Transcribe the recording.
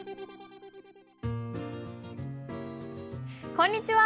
こんにちは。